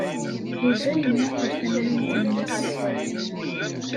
Yuba yemmuqqel tamrint-nnes.